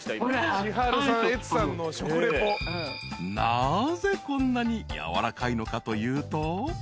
［なぜこんなにやわらかいのかというと］